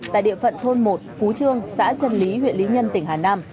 tại địa phận thôn một phú trương xã trân lý huyện lý nhân tỉnh hà nam